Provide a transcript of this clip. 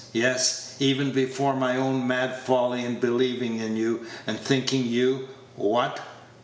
Yes, even before my own mad folly in believing in you, and thinking you what?